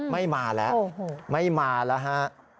ไม่มาแล้วไม่มาแล้วฮะ